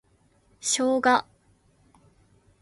ショウガ